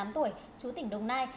ba mươi tám tuổi chú tỉnh đông nai